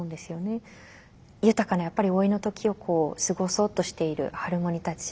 豊かな老いの時を過ごそうとしているハルモニたち。